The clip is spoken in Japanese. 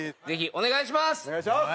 お願いします。